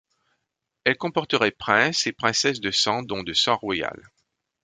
Elle comporterait princes et princesses de sang dont de sang royal.